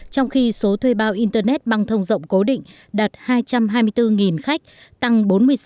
trong khi số thuê bao internet băng thông rộng cố định đạt hai trăm hai mươi bốn khách tăng bốn mươi sáu